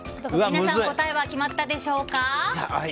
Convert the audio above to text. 答えは決まったでしょうか。